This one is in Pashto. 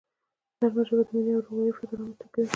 نرمه ژبه د مینې او ورورولۍ فضا رامنځته کوي.